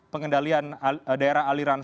pengendalian daerah aliran